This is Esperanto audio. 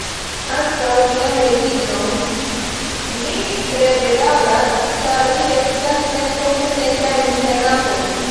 Ankaŭ lian rezignon ni tre bedaŭras, ĉar li estas tre kompetenta en sia kampo.